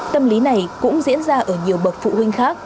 tâm lý này cũng diễn ra ở nhiều bậc phụ huynh khác